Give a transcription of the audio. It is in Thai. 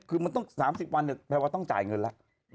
คือมันต้อง๓๐วันเนี่ยแปลว่าต้องจ่ายเงินแล้ว